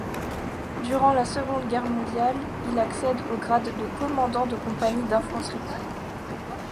Durant la Seconde Guerre mondiale, il accède au grade de commandant de compagnie d'infanterie.